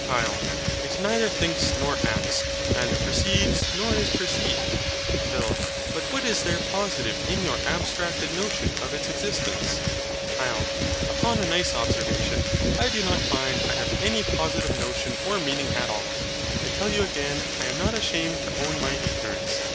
HYL. It neither thinks nor acts, neither perceives nor is perceived. PHIL. But what is there positive in your abstracted notion of its existence? HYL. Upon a nice observation, I do not find I have any positive notion or meaning at all. I tell you again, I am not ashamed to own my ignorance.